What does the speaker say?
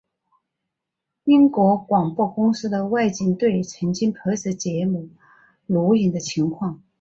英国广播公司的外景队曾经拍摄节目录影的情况。